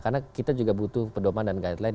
karena kita juga butuh pedoman dan guideline